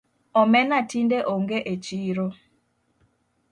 Omena tinde ong’e e chiro